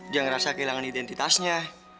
dia ngerasa kehilangan identitasnya